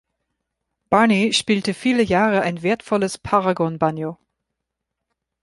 Barney spielte viele Jahre ein wertvolles Paragon-Banjo.